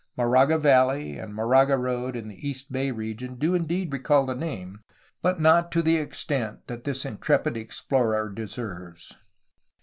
Moraga Valley and Moraga Road in the east bay region do indeed recall the name, but not to the extent that this intrepid explorer deserves.